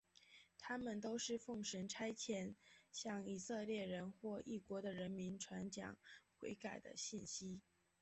他们都是奉神差遣向以色列人或异国的人民传讲悔改的信息。